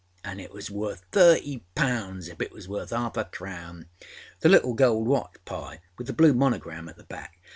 â And it was worth thirty pounds if it was worth âarf a crown. The little gold watch, Pye, with the blue monogram at the back.